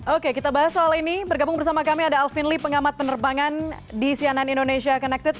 oke kita bahas soal ini bergabung bersama kami ada alvin lee pengamat penerbangan di cnn indonesia connected